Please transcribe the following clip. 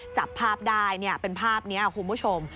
จับภาพได้เป็นภาพนี้คุณผู้ชม